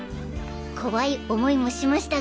怖い思いもしましたが。